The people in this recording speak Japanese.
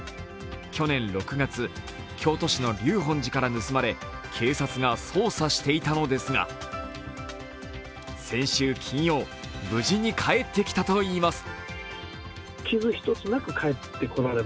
去年６月、京都市の立本寺から盗まれ警察が捜査していたのですが、先週金曜、無事に帰ってきたといいます。